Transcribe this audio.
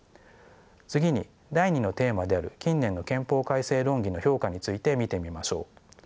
次に第２のテーマである近年の憲法改正論議の評価について見てみましょう。